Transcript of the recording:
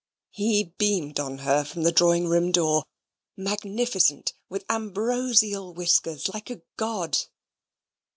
He beamed on her from the drawing room door magnificent, with ambrosial whiskers, like a god.